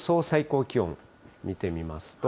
最高気温、見てみます